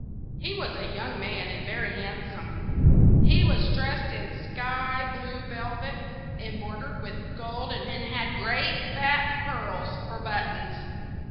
He was a young man, and very handsome. He was dressed in sky blue velvet, embroidered with gold, and had great fat pearls for buttons.